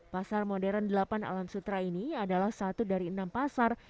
pasar modern delapan alam sutra ini adalah satu dari enam pasar